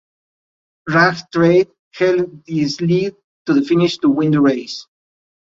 Rag Trade held this lead to the finish to win the race.